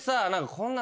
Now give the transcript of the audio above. こんな。